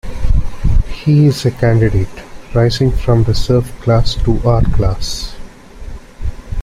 He is a candidate, rising from the serf class to our class.